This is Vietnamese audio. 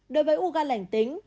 đối với u gan lành tính